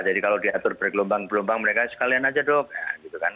jadi kalau diatur bergelombang gelombang mereka sekalian aja dok